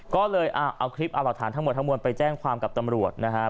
ก็เลยเอาคลิปเอาหลักฐานทั้งหมดทั้งมวลไปแจ้งความกับตำรวจนะครับ